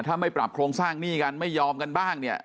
ถ้าไม่ปรับโครงสร้างหนี้กันไม่ยอมกันบ้างเนี่ย